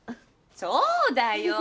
そうだよ。